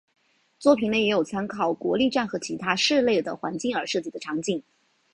作品内也有参考国立站和其他市内的环境而设计的场景。